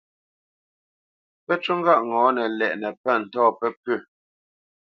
Pə́ ncú ŋgâʼ ŋɔ̌nə ndɛʼnə́ pə̂ ntɔ̂ pəpʉ̂.